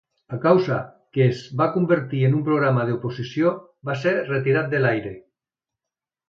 A causa que es va convertir en un programa d'oposició va ser retirat de l'aire.